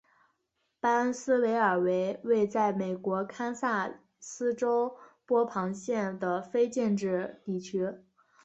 巴恩斯维尔为位在美国堪萨斯州波旁县的非建制地区。